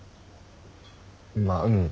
まあうん。